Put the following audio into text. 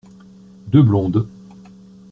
Deux blondes.